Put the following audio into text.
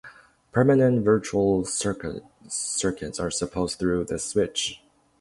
"Permanent virtual circuits" are supported through the switch.